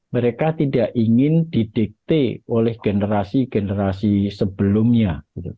mereka tidak ingin didikte oleh generasi generasi sebelumnya